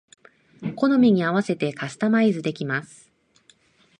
好みに合わせてカスタマイズできます